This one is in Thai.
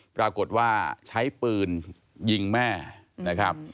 ปรากฏว่าใช้ปืนยิงแม่นะครับ